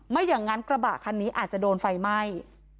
ไม่อย่างนั้นกระบะคันนี้อาจจะโดนไฟไหม้